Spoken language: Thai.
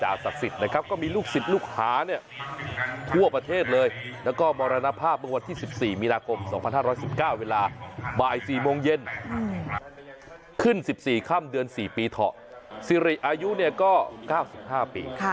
หลวงพ่อทศพที่แขวนอยู่ใน